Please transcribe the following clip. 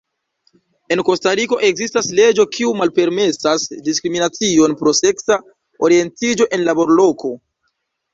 En Kostariko ekzistas leĝo kiu malpermesas diskriminacion pro seksa orientiĝo en laborloko.